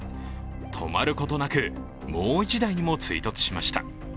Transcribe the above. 止まることなく、もう１台にも追突しました。